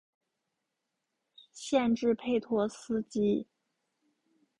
县治佩托斯基。